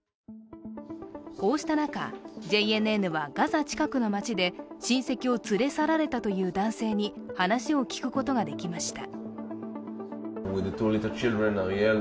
こうした中、ＪＮＮはガザ近くの町で親戚を連れ去られたという男性に話を聞くことができました。